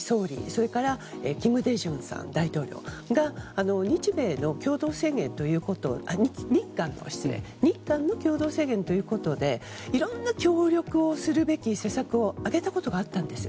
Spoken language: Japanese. それから、金大中大統領が日韓の共同宣言ということでいろんな協力をするべき施策を挙げたことがあったんです。